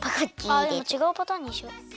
あでもちがうパターンにしよ！